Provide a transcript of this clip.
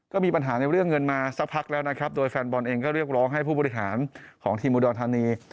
ก็มีปัญหาในเรื่องเงินมาสักพักแล้วนะครับโดยแฟนบอลเองก็เรียกร้องให้ผู้บริหารของทีมอุดรธานี